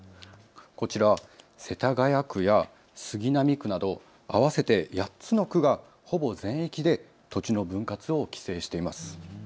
こちら、世田谷区や杉並区など合わせて８つの区がほぼ全域で土地の分割を規制しています。